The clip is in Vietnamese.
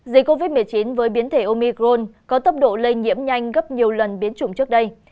dịch covid một mươi chín với biến thể omi grone có tốc độ lây nhiễm nhanh gấp nhiều lần biến chủng trước đây